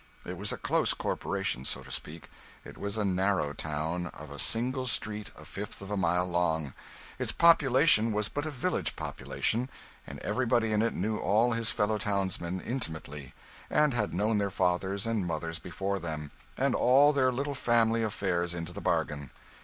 It was a close corporation, so to speak; it was a narrow town, of a single street a fifth of a mile long, its population was but a village population and everybody in it knew all his fellow townsmen intimately, and had known their fathers and mothers before them and all their little family affairs into the bargain.